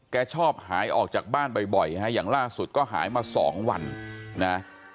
ชอบหายออกจากบ้านบ่อยฮะอย่างล่าสุดก็หายมาสองวันนะ